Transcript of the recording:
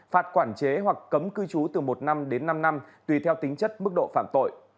phạt quản chế hoặc cấm cư trú từ một năm đến năm năm tùy theo tính chất mức độ phạm tội